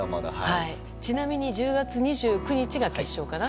ちなみに１０月２９日が決勝かな。